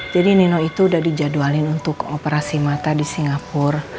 jadi nino itu udah dijadwalin untuk operasi mata di singapur